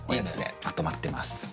まとまってます。